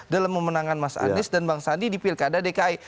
dalam memenangkan mas anies dan bang sandi di pilkada dki